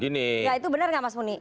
nah itu benar nggak mas muni